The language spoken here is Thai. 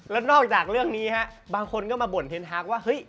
และนอกจากเรื่องนี้ฮะบางคนก็มาบ่นเทนฮาร์กว่า